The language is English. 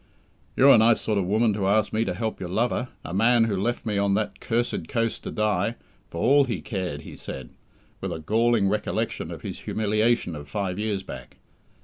"You're a nice sort of woman to ask me to help your lover a man who left me on that cursed coast to die, for all he cared," he said, with a galling recollection of his humiliation of five years back.